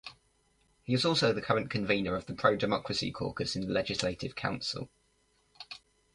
He is also the current convenor of the pro-democracy caucus in the Legislative Council.